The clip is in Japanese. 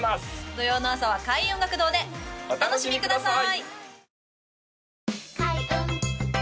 土曜の朝は開運音楽堂でお楽しみください